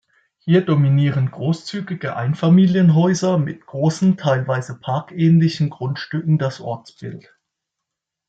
Hier dominieren großzügige Einfamilienhäuser mit großen, teilweise parkähnlichen Grundstücken das Ortsbild.